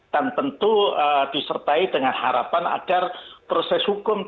dan tentu disertai dengan harapan agar proses hukum tersebut